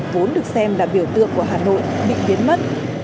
vốn được xem là biểu tượng của hà nội bị biến mất